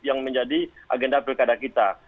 yang menjadi agenda pilkada kita